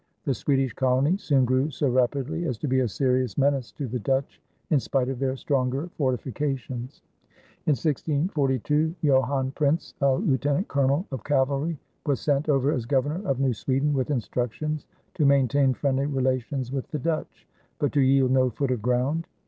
The Swedish colony soon grew so rapidly as to be a serious menace to the Dutch in spite of their stronger fortifications. In 1642 Johan Printz, a lieutenant colonel of cavalry, was sent over as Governor of New Sweden with instructions to maintain friendly relations with the Dutch, but to yield no foot of ground.